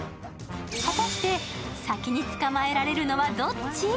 果たして、先に捕まえられるのはどっち？